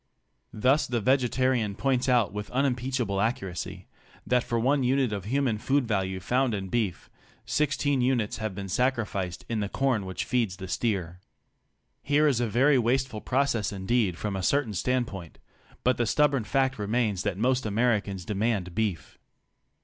Thus the vegetarian points out with unimpeachable accuracy that for one unit of human food value found in beef, sixteen units have been sacrificed in the corn which feeds the steer. Here is a very wasteful process indeed from a certain standpoint, but the stubborn fact remains that most Americans demand beef.